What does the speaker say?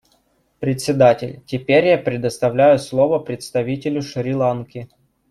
Председатель: Теперь я предоставляю слово представителю Шри-Ланки.